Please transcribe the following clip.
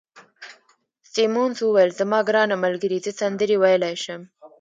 سیمونز وویل: زما ګرانه ملګرې، زه سندرې ویلای شم.